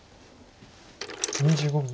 ２５秒。